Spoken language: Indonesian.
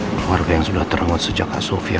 keluarga yang sudah terhut sejak kak sofia